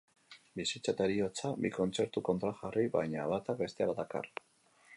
Bizitza eta heriotza, bi kontzertu kontrajarri, baina batak bestea dakar.